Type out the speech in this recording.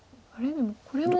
でもこれも。